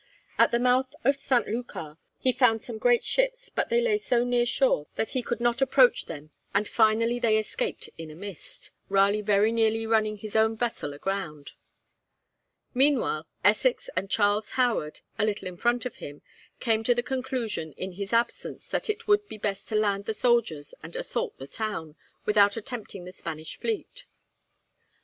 At the mouth of St. Lucar he found some great ships, but they lay so near shore that he could not approach them, and finally they escaped in a mist, Raleigh very nearly running his own vessel aground. Meanwhile Essex and Charles Howard, a little in front of him, came to the conclusion in his absence that it would be best to land the soldiers and assault the town, without attempting the Spanish fleet.